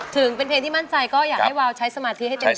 ถึงเป็นเพลงที่มั่นใจก็อยากให้วาวใช้สมาธิให้เต็มที่